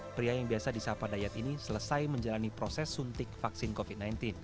pria yang biasa disapa dayat ini selesai menjalani proses suntik vaksin covid sembilan belas